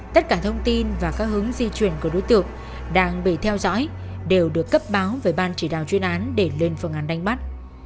tất cả thông tin và các hướng di chuyển của đối tượng đang bị theo dõi đều được cấp báo về ban chỉ đạo chuyên án để lên phương án đánh bắt